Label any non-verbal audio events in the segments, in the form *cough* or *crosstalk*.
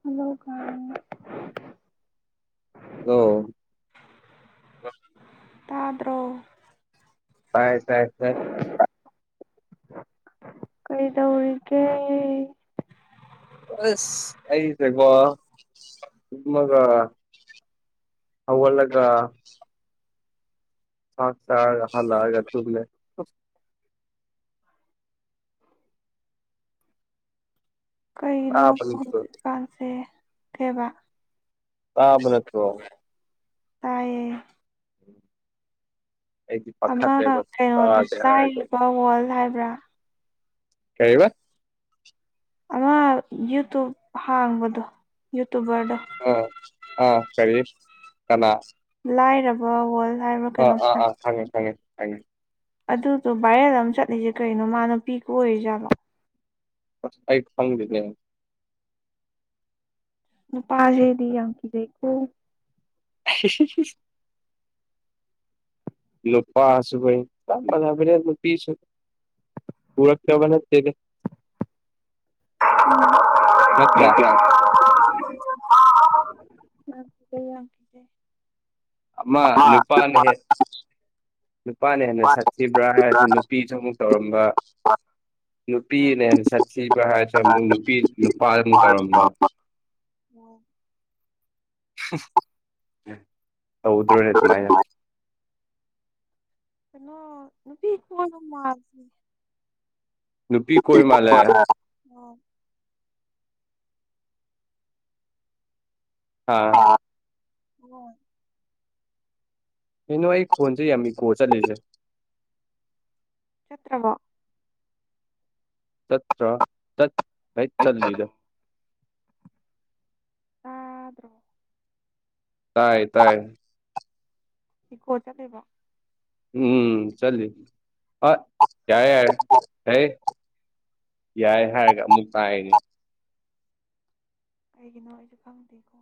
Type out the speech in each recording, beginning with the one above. hello ꯀꯦ ꯑꯣ ꯇꯥꯗ꯭ꯔꯣ ꯇꯥꯏ ꯇꯥꯏ ꯇꯥꯏ ꯀꯩ ꯇꯧꯔꯤꯒꯦ ꯑꯁ ꯑꯩꯁꯦꯀꯣ ꯑꯗꯨꯃꯒ ꯑ ꯋꯥꯂꯒ ꯊꯥꯛ ꯆꯒ ꯍꯜꯂ ꯍꯥꯏꯒ ꯇꯨꯒꯂ ꯀꯩꯅꯣ ꯇꯥꯕ ꯅꯠꯇ꯭ꯔꯣ ꯍꯧꯖꯤꯛꯀꯥꯟꯁꯦ ꯀꯦꯕ ꯇꯥꯕ ꯅꯠꯇ꯭ꯔꫭ ꯇꯥꯏꯌꯦ ꯎꯝ ꯑꯃ ꯀꯩꯅꯣꯗꯣ ꯍꯥꯏꯔꯗꯤ ꯆꯥꯏꯔꯤꯕ ꯋꯥꯔꯜ ꯍꯥꯏꯕ꯭ꯔꯥ ꯀꯔꯤꯕ ꯑꯃ ꯌꯨꯇꯨꯨꯞ ꯍꯥꯡꯕꯗꯣ ꯌꯨꯇꯨꯕꯔꯗꯣ ꯑ ꯑ ꯀꯔꯤ ꯀꯅꯥ ꯂꯥꯏꯔꯕ ꯋꯥꯜ ꯑꯥ ꯑꯥ ꯑꯥ ꯊꯪꯉꯦ ꯊꯪꯉꯦ ꯊꯉꯦ ꯑꯗꯨꯗꯣ ꯚꯥꯏꯔꯦꯜ ꯑꯃ ꯆꯠꯂꯤꯁꯦ ꯀꯩꯅꯣ ꯃꯥ ꯅꯨꯄꯤꯒ ꯑꯣꯏꯔꯤꯖꯥꯠꯕ ꯑꯩ ꯐꯪꯗꯗꯦ ꯄꯥꯖꯩꯗꯤ ꯌꯥꯝꯪꯀꯤꯖꯩꯈꯣ ꯍꯁꯁ ꯅꯨꯄꯥꯁꯨꯕ ꯌꯥꯝꯝꯕꯔ ꯅꯨꯄꯤꯁꯨ ꯄꯨꯨꯔꯛ ꯆꯕꯅꯗ ꯈꯦꯠꯇ꯭ꯔꯥ *inaudible* *inaudible* ꯑꯃ ꯅꯨꯄꯥꯅ ꯍꯦ ꯅꯨꯄꯥꯅ ꯍꯦꯟꯅ ꯁꯠꯈꯤꯕ꯭ꯔꯥ ꯍꯥꯏꯔꯁꯨ ꯅꯨꯄꯤꯁꯨ ꯑꯃꯨꯛ ꯇꯧꯔ *inaudible* ꯅꯨꯄꯤꯅ ꯍꯦꯟꯅ ꯆꯠꯕ ꯍꯥꯏꯗ꯭ꯔꯥ ꯑꯃꯨꯛ ꯅꯨꯄꯤ ꯅꯨꯄꯥꯗ ꯑꯃꯨꯛ ꯇꯧꯔꯝꯕ ꯍꯥ ꯑꯣ ꯑ ꯎꯗ꯭ꯔꯣꯅꯦ ꯃꯥꯌꯥ ꯀꯩꯅꯣ ꯅꯨꯄꯤ ꯀꯅ ꯃꯥꯔꯁꯤ ꯅꯨꯄꯤ ꯀꯣꯏ ꯃꯥꯂꯦ ꯑꯣ ꯍꯥꯥ ꯍ ꯍꯅ ꯑꯩ ꯐꯣꯟ ꯆ ꯌꯥꯝꯃꯤ ꯀꯣ ꯆꯠꯂꯤꯁꯦ ꯆꯠꯇ꯭ꯔꯕ ꯇ꯭ꯔ ꯇꯠ ꯍꯠꯆꯜꯂꯤꯗ ꯑ꯭ꯔꯣ ꯇꯥꯏ ꯇꯥꯏ ꯏ ꯀꯣ ꯆ ꯂꯩꯕ ꯎꯝ ꯆꯂ ꯑ ꯌꯥꯏ ꯌꯥꯔ ꯍ ꯌꯥꯏ ꯍꯥꯏꯔꯒ ꯑꯃꯨꯛ ꯇꯥꯏꯅꯤ ꯑꯩꯒꯤꯅꯖ ꯀꯇꯀ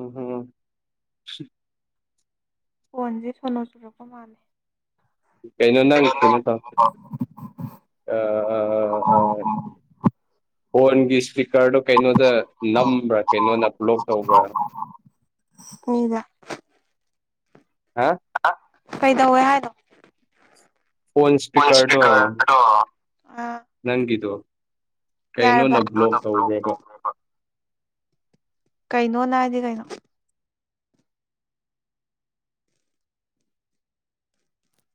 ꯎ ꯍ ꯀꯣꯟꯁꯦ ꯁꯣꯟꯅꯣ ꯆꯨꯔꯛꯄ ꯃꯥꯜꯂꯦ ꯀꯩꯅꯣ ꯅ ꯊꯅꯣꯠꯇ ꯑꯥꯎ ꯍꯣꯟꯒꯤ ꯏꯁ ꯏꯁꯀꯔꯗꯣ ꯀꯩꯅꯣꯗ ꯅꯝꯕ꯭ꯔꯥ ꯀꯩꯅꯣꯅ ꯭ꯂꯣꯛ ꯇꯧꯕ꯭ꯔꯥ ꯃꯤꯗ ꯍꯥ ꯀꯩꯗꯧꯋꯦ ꯍꯥꯏꯅꯣ ꯐꯣꯟꯣꯟ ꯐꯣꯟ ꯁꯄꯤꯤꯀꯔꯗꯨꯣ ꯏꯁꯄꯤꯀꯔꯗꯣ ꯑꯥ ꯅꯪꯗꯨ ꯌꯥꯔꯕ ꯀꯩꯅꯣꯅ ꯕ꯭ꯂꯣꯛ ꯇꯧꯈ꯭ꯔꯕ ꯀꯩꯅꯣ ꯅꯅꯥ ꯍꯥꯏꯗꯤ ꯀꯩꯅꯣ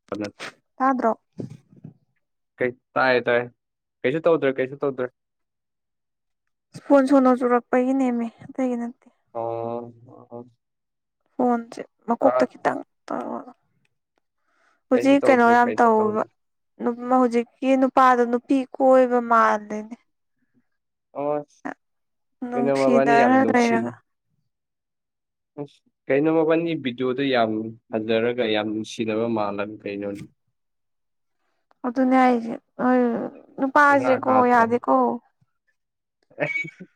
ꯐ ꯁꯥꯥꯗ꯭ꯔꯣ ꯀ ꯇꯥꯏ ꯇꯥꯏ ꯀꯩꯁꯨ ꯇꯧꯗ꯭ꯔꯦ ꯀꯩꯁꯨ ꯇꯧꯗ꯭ꯔꯦ ꯀꯣꯟ ꯁꯣꯟꯅ ꯆꯨꯔꯛꯄꯒꯤ ꯅꯦꯝꯃꯦ ꯑꯗꯨꯒꯤ ꯅꯠꯇꯦ ꯑ ꯐꯣꯟꯁꯦ ꯃꯀꯣꯛꯇ ꯈꯤꯇꯪ ꯇꯧꯔꯣ ꯀꯩꯁꯨ ꯍꯧꯖꯤꯛ ꯀꯩꯅꯣ ꯇꯧꯗ꯭ꯔꯦ ꯌꯥꯝ ꯀꯩꯁꯨ ꯇꯧꯕ ꯇꯧꯗ꯭ꯔꯦ ꯍꯧꯖꯤꯛꯀꯤ ꯅꯨꯄꯥꯗ ꯅꯨꯄꯤ ꯀꯣꯏꯕ ꯃꯥꯜꯗꯣꯏꯅꯦ ꯑ ꯀꯩꯅ ꯃꯕꯥꯅꯤ ꯌꯥꯝ ꯅꯨꯡꯁꯤꯅꯔ ꯅꯧꯁꯤ ꯂꯩꯔꯒ ꯑꯁ ꯀꯩꯅꯣꯃꯅꯤ ꯚꯤꯗꯤꯑꯣꯗꯣ ꯌꯥꯝ ꯍꯟꯖꯔꯒ ꯌꯥꯝ ꯅꯨꯡꯁꯤꯅꯕ ꯃꯥꯜꯂꯝꯃꯤ ꯄꯩꯅꯣ ꯑꯣ ꯑꯗꯨꯅ ꯍꯥꯏꯏꯦ ꯅꯨꯄꯥꯖꯦ ꯀꯣ ꯌꯥꯗꯦ ꯀꯣ *unintelligible*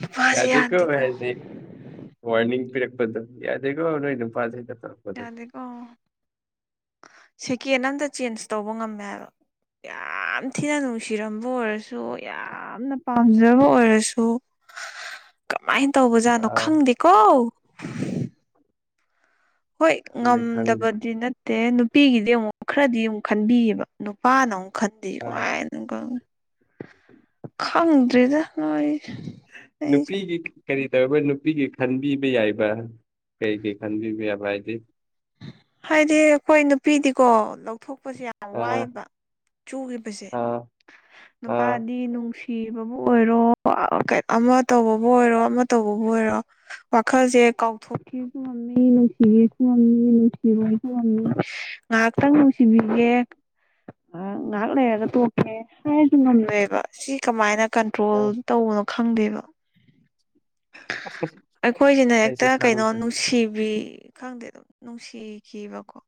ꯅꯨꯄꯥꯁꯦ ꯌꯥꯗ ꯀꯣ ꯌꯥꯗꯦꯀꯣ ꯍꯥꯏ ꯋꯥꯔꯅꯤꯡ ꯄꯤ ꯌꯥꯗꯦꯒꯣꯅꯣꯏ ꯄꯥꯁꯗ ꯌꯥꯗꯦꯀꯣ ꯁꯦꯀꯦꯟ ꯑꯝꯇ ꯆꯦꯟꯖ ꯇꯧꯕ ꯉꯝꯃꯦꯕ ꯌꯥꯝ ꯊꯤꯅ ꯅꯨꯡꯁꯤꯔꯝꯕ ꯑꯣꯏꯔꯁꯨ ꯌꯥꯝꯅ ꯄꯥꯝꯖꯕ ꯑꯣꯏꯔꯁꯨ ꯀꯃꯥꯏꯅ ꯇꯧꯕꯖꯥꯠꯅꯣ ꯑꯥ ꯈꯪꯗꯦꯀꯣ ꯍꯣꯏ ꯈꯪꯗꯦ ꯈꯪꯗꯦ ꯉꯝꯗꯕꯗꯤ ꯅꯠꯇꯦ ꯅꯨꯄꯤꯒꯤꯗꯤ ꯑꯃꯨꯛ ꯈꯔꯗꯤ ꯑꯃꯨꯛ ꯈꯟꯕꯤꯌꯦꯕ ꯅꯨꯄꯥꯅ ꯑꯃꯨꯛ ꯈꯗꯤꯤ ꯑꯥ ꯋꯥꯏꯅ ꯈꯪꯉ ꯈꯪꯗ꯭ꯔꯤꯗ ꯅꯣꯏ ꯑꯩꯁꯨ ꯅꯨꯄꯤꯔꯤꯒꯤ ꯀꯔꯤ ꯇꯧꯔꯤꯕ ꯅꯨꯄꯤꯒꯤ ꯈꯟꯕꯤꯕ ꯌꯥꯏꯕ ꯀꯩ ꯀꯩ ꯈꯟꯕꯤꯕ ꯌꯥꯕ ꯍꯥꯏꯗꯤ ꯍꯥꯏꯗꯤ ꯑꯩꯈꯣꯏ ꯅꯨꯄꯤꯗꯤꯀꯣ ꯊꯣꯛꯣꯛꯄꯁꯦ ꯌꯥꯝ ꯑꯥ ꯋꯥꯏꯑꯕ ꯆꯨꯈꯤꯕꯁꯦ ꯑꯥ ꯑꯥ ꯅꯨꯄꯥꯗꯤ ꯅꯨꯡꯁꯤ ꯊꯤꯕꯕꯨ ꯑꯣꯏꯔꯣꯣ ꯑꯃ ꯇꯧꯕꯕꯨ ꯑꯣꯏꯔꯣ ꯑꯃ ꯇꯧꯕꯕꯨ ꯑꯣꯏꯔꯣ ꯋꯥꯈꯜꯁꯦ ꯀꯥꯎꯊꯣꯔꯛꯦ ꯀꯝꯃꯤ ꯏꯅꯧꯁꯤꯒꯦ ꯀꯝꯃꯤ ꯏ ꯉꯥꯏꯍꯥꯛꯇꯪ ꯅꯨꯡꯁꯤꯕꯤꯒꯦ ꯥꯛ ꯉꯥꯏꯍꯥꯛ ꯂꯩꯔꯒ ꯇꯣꯡꯀꯦ ꯍꯥꯏꯁꯨ ꯉꯝꯂꯣꯏꯑꯕ ꯁꯤ ꯀꯃꯥꯏꯅ ꯀꯟꯇ꯭ꯔꯣꯜ ꯇꯧꯕꯅꯣ ꯈꯪꯗꯦꯕ ꯑꯩꯈꯣꯏꯁꯤꯅ ꯑꯩꯁꯨ ꯍꯦꯛꯇ ꯀꯩꯅꯣ ꯈꯪꯗ꯭ꯔꯦ ꯅꯨꯡꯁꯤꯕꯤ ꯈꯪꯗꯦ ꯑꯗꯨꯝ ꯅꯨꯡꯁꯤꯈꯤꯕꯀꯣ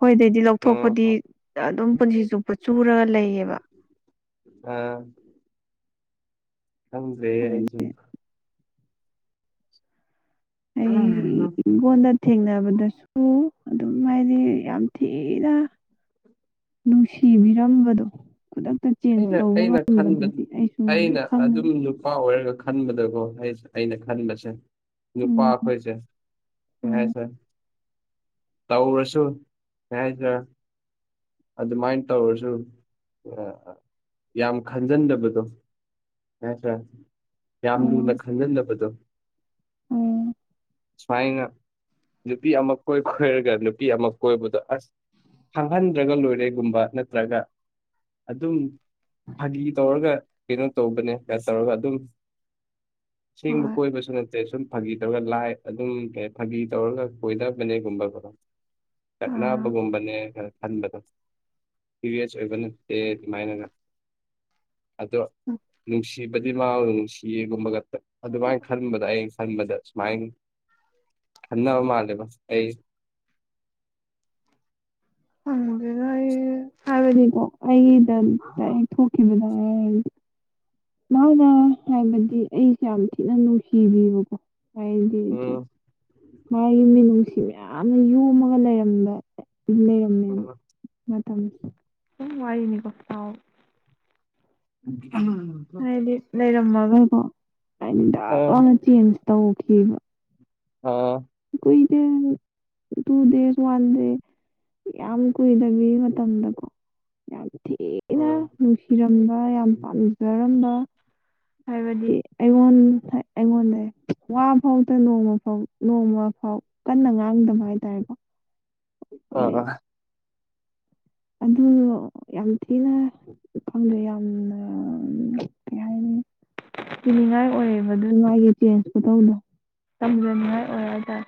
ꯍꯣꯏꯗꯩꯗꯤ ꯂꯧꯊꯣꯛꯄꯗꯤ ꯎꯝ ꯑꯗꯨꯝ ꯄꯨꯟꯁꯤ ꯆꯨꯞꯄ ꯆꯨꯔꯒ ꯂꯩꯌꯦꯕ ꯑ ꯦꯁꯨ ꯑꯩ ꯏꯣꯟ ꯊꯦꯡꯅꯕꯗꯁꯨ ꯑꯗꯨꯝ ꯍꯥꯏꯗꯤ ꯌꯥꯝ ꯊꯤꯅ ꯅꯨꯡꯁꯤꯕꯤꯔꯝꯝꯕꯗꯣ ꯑꯩꯅ ꯑꯩꯅ ꯈꯟꯕ ꯑꯩꯁꯨ ꯉꯝ ꯑꯩꯅ ꯑꯗꯨꯝ ꯈꯪꯉꯦ ꯅꯨꯄꯥ ꯑꯣꯏꯔꯒ ꯈꯟꯕꯗꯀꯣ ꯑꯩ ꯑꯩꯅ ꯈꯟꯕꯁꯦ ꯅꯨꯄꯥ ꯎꯝ ꯑꯩꯈꯣꯏꯁꯦ ꯀꯩ ꯍꯥꯏꯁꯦ ꯇꯧꯔꯁꯨ ꯍꯥꯏꯗꯔ ꯑꯗꯨꯃꯥꯏꯅ ꯇꯧꯔꯁꯨ ꯌꯥꯝ ꯈꯟꯖꯟꯗꯕꯗꯣ ꯅ ꯁꯥ꯭ꯔ ꯌꯥꯝ ꯂꯨꯅ ꯈꯟꯖꯤꯗꯕꯗꯣ ꯁꯨꯃꯥꯏꯅ ꯅꯨꯄꯤ ꯑꯃ ꯀꯣꯏ ꯈꯣꯏꯔꯒ ꯅꯨꯄꯤ ꯑꯃ ꯀꯣꯏꯕꯗꯣ ꯑꯁ ꯍꯥꯡꯍꯟꯗ꯭ꯔꯒ ꯂꯣꯏꯔꯦꯒꯨꯝꯕ ꯅꯠꯇ꯭ꯔꯒ ꯑꯗꯨꯝ ꯐꯥꯒꯤ ꯇꯧꯔꯒ ꯀꯩꯅꯣ ꯇꯧꯕꯅꯦ ꯁ ꯇꯧꯔꯒ ꯑꯗꯨꯝ ꯁꯤ ꯍꯣꯏ ꯀꯣꯏꯕꯁꯨꯅ ꯁꯨꯝ ꯐꯥꯒꯤ ꯇꯧꯔꯒ ꯂꯥꯏ ꯑꯗꯨꯝ ꯀ ꯐꯥꯒꯤ ꯇꯧꯔꯒ ꯀꯣꯏꯗꯕꯅꯦꯒꯨꯝꯕꯀ ꯑꯥ ꯀꯛꯅꯕꯒꯨꯝꯕꯅꯦ ꯈꯅ ꯈꯟꯕꯗꯣ ꯐꯔꯤꯌꯁ ꯑꯣꯏꯕ ꯅꯠꯇꯦ ꯑꯗꯨꯃꯥꯏꯅꯒ ꯑꯗꯣ ꯅꯨꯡꯁꯤꯕꯗꯤ ꯃꯥ ꯅꯨꯡꯁꯤꯒꯨꯝꯕꯒ ꯑꯗꯨꯃꯥꯏꯅ ꯈꯟꯕꯗ ꯍꯌꯦꯡ ꯁꯟꯕꯗ ꯁꯃꯥꯏ ꯈꯟꯕ ꯃꯥꯜꯂꯦꯕ ꯑꯩ ꯑꯦꯗ ꯍꯥꯏꯕꯗꯤꯀꯣ ꯑꯩꯒꯤꯗ ꯦꯛ ꯊꯣꯛꯈꯤꯕꯗ ꯃꯥꯅ ꯍꯥꯏꯕꯗꯤ ꯑꯩꯁꯦ ꯌꯥꯝ ꯊꯤꯅ ꯅꯨꯡꯁꯤꯕꯤꯕꯀꯣ ꯍꯥꯏꯗꯤ ꯎꯝ ꯃꯥꯒꯤ ꯃꯤꯅꯨꯡꯁꯤ ꯃꯌꯥꯝꯅ ꯌꯣꯝꯃꯒ ꯂꯩꯔꯝꯗ ꯎ ꯑ ꯋꯥꯏꯅꯤ ꯀꯠꯇ ꯎ ꯍꯥꯏꯗꯤ ꯂꯩꯔꯝꯃꯒꯀꯣ ꯍꯥꯏꯗꯤ ꯑ ꯂꯥꯛꯅ ꯆꯦꯟꯖ ꯇꯧꯈꯤꯕ ꯑꯣ ꯀꯣꯏꯗ ꯇꯨ ꯗ ꯋꯥ ꯋꯥꯟꯗ ꯌꯥꯝ ꯀꯏꯗꯕꯤꯃ ꯃꯇꯝꯗꯀꯣ ꯌꯥꯝ ꯊꯅ ꯅꯨꯡꯁꯤꯔ ꯌꯥꯝ ꯄꯥꯝꯖꯔꯝꯕ ꯍꯥꯏꯕꯗꯤ ꯑꯩꯉꯣꯟ ꯑꯩꯉꯣꯟꯗ ꯋꯥ ꯐꯥꯎꯇ ꯅꯣꯡꯃ ꯐꯥꯎ ꯅꯣꯡꯃ ꯐꯥꯎ ꯀꯟꯅ ꯉꯥꯡꯗꯕ ꯍꯥꯏꯇꯥꯔꯦꯀꯣ ꯑ ꯑꯗꯨꯗ ꯌꯥꯝ ꯊꯤꯅ ꯈꯪꯗꯦ ꯌꯥꯝꯅ ꯀꯩ ꯍꯥꯏꯅꯤ ꯄꯤꯅꯤꯡꯉꯥꯏ ꯑꯣꯏꯌꯦꯕ ꯑꯗꯨ ꯃꯥꯏꯒꯤꯦ ꯆꯦꯟꯖꯀꯣ ꯇꯧꯗꯣ ꯇꯝꯖꯅꯤꯉꯥꯏ ꯑꯣꯏꯔ ꯇꯔ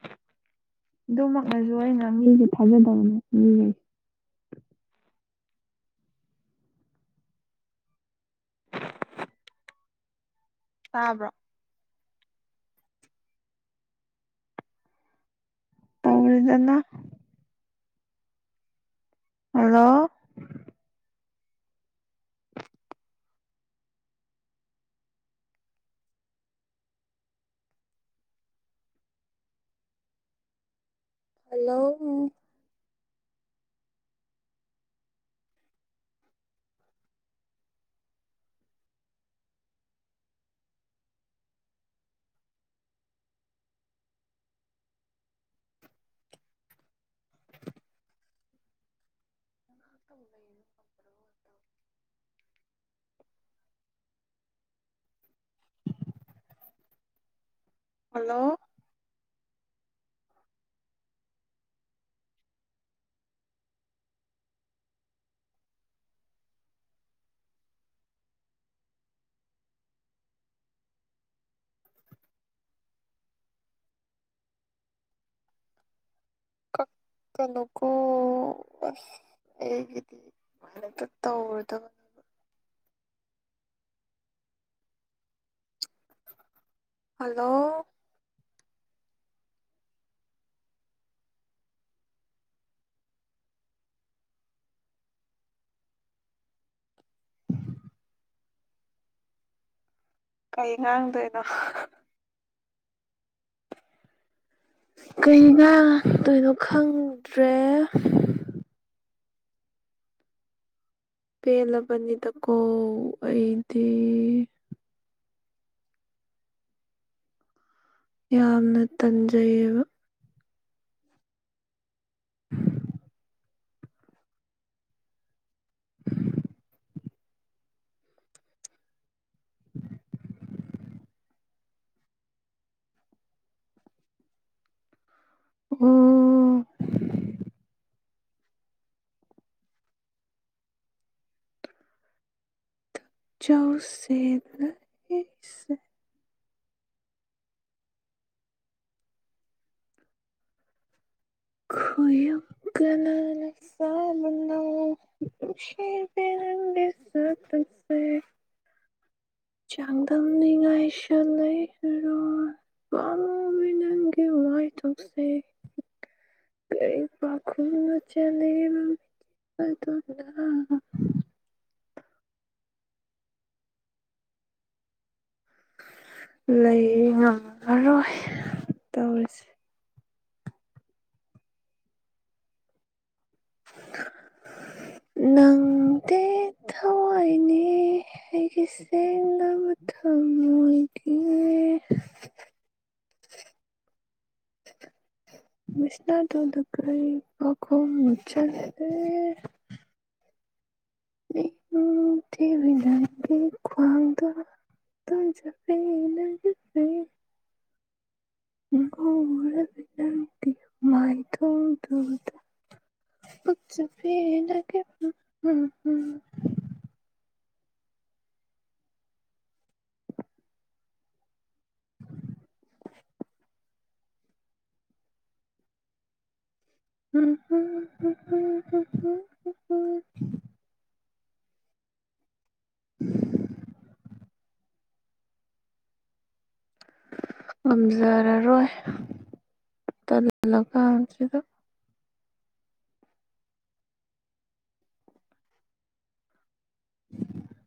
*unintelligible* ꯑꯗꯨꯃꯛꯅꯁꯨ ꯑꯩꯅ ꯃꯤꯁꯦ ꯊꯥꯖꯗꯕꯅꯦ ꯃꯤꯈꯩ ꯑꯥꯕ꯭ꯔꯣ ꯑꯔꯗꯅ ꯍꯜꯂꯣ ꯍꯜꯂꯣ ꯉꯇꯝꯕ ꯀꯄ꯭ꯔ ꯑꯣꯏꯠꯇ ꯍꯜꯂꯣ ꯀꯛꯇꯅꯒꯨ ꯍꯦꯒꯗꯤ ꯃꯅꯛꯇ ꯇꯧꯗꯕ ꯍꯜꯂꯣ ꯀꯩ ꯉꯥꯡꯗꯣꯏꯅꯣ ꯀꯩ ꯉ ꯇꯣꯏꯅꯣ ꯈꯪꯗ꯭ꯔꯦ ꯄꯦꯂ ꯅꯤꯗ ꯀꯣ ꯑꯩꯗꯤꯦ ꯌꯥꯝꯅ ꯇꯟꯖꯩꯕ *unintelligible* *unintelligible* ꯑꯣ ꯆꯧꯁꯤꯁ *unintelligible* ꯍ ꯌꯥꯝ ꯀꯅꯥꯅ ꯁꯥꯝꯅꯗꯔ ꯇꯁꯦ ꯆꯥꯡꯗꯝꯝꯅꯤ ꯉꯥꯏꯁ ꯂꯩꯔ ꯃꯃꯨꯕꯤ ꯅꯪꯒꯤꯦ ꯃꯥꯥꯏ ꯇꯨꯝꯁꯦ ꯑꯩ ꯄꯈꯅ ꯆ ꯐ ꯇ ꯂꯩ ꯉꯝꯃꯔꯣꯏ ꯇꯧꯔꯤꯁꯦ ꯅꯪꯗ ꯊꯋꯥꯏꯅꯦ ꯍꯥꯏ ꯀꯦ ꯂꯕ ꯊꯣꯏꯒꯤ ꯃꯤꯁꯅ ꯇꯗꯨ ꯀꯔꯤꯈꯣꯡ ꯆꯦ ꯅꯒꯤ ꯈꯋꯥꯗ ꯇ ꯆꯦ ꯀ ꯐꯅꯒ ꯎ *unintelligible* ꯉꯝꯖꯔꯔꯣꯏ ꯇꯂꯒ ꯍꯧꯁꯤꯗ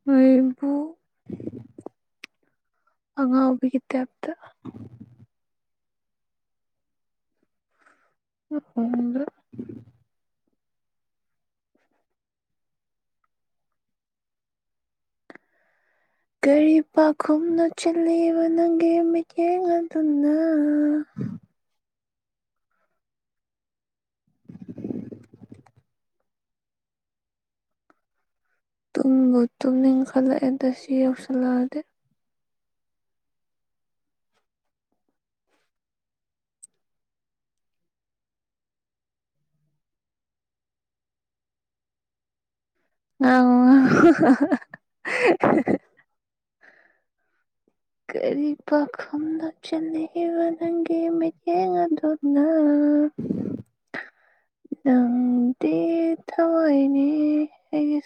ꯃꯣꯏꯔꯕꯨ ꯑꯉꯥꯡ ꯎꯕꯤꯒꯤꯇꯦꯞꯗ ꯭ꯔ ꯒꯥꯔꯤ ꯄꯥꯈꯨꯝꯅꯣ ꯆꯠꯂꯕ ꯅꯪꯒꯤ ꯃꯤꯠꯌꯦꯡ ꯑꯗꯨꯅ ꯎꯝ ꯇꯨꯡꯕꯨꯇꯅ ꯏꯈꯜꯗ ꯁꯤꯁꯂꯗ ꯑ ꯀꯔꯤ ꯄꯥꯈꯅ ꯆꯟꯅ ꯋꯥ ꯅꯒꯦ ꯃ ꯌꯦꯉ ꯑꯗꯨꯅ ꯎ ꯅꯪꯗꯤ ꯊꯋꯥꯏꯅꯤ ꯍꯥꯏ